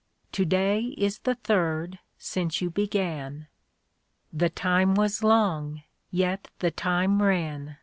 To day is the third since you began." "The time was long, yet the time ran.